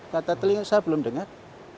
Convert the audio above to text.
kata telinga saya belum dengar